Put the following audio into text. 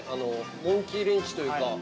モンキーレンチというか。